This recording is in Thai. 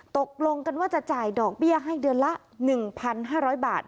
ตกลงกันว่าจะจ่ายดอกเบี้ยให้เดือนละ๑๕๐๐บาท